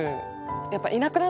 やっぱいなくなって。